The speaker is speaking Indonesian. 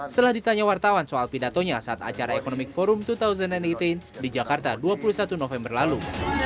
setelah ditanya wartawan soal pidatonya saat acara economic forum dua ribu delapan belas di jakarta dua puluh satu november lalu